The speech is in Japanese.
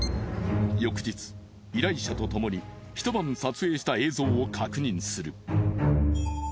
依頼者とともにひと晩撮影した映像を確認する。